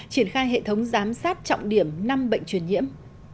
triển khai hệ thống giám sát trọng điểm năm bệnh truyền nhiễm